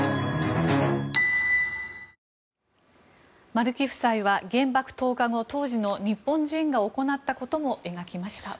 丸木夫妻は原爆投下後、当時の日本人が行ったことも描きました。